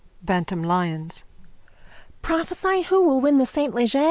BANTAM LYONS: Prophesy who will win the Saint Leger.